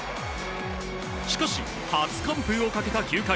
しかし、初完封をかけた９回。